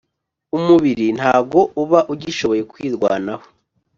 umubiri ntago uba ugishoboye kwirwanaho,